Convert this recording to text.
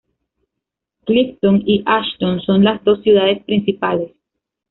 Clifton y Ashton son las dos ciudades principales.